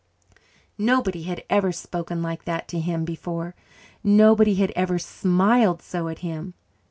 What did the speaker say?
Nobody had ever spoken like that to him before; nobody had ever smiled so at him.